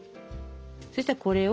そしたらこれを。